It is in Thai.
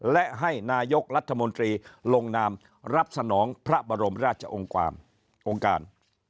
และให้นายกรัฐมนตรีลงนามรับสนองพระบรมราชองค์ความองค์การ